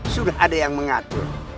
sudah ada yang mengatur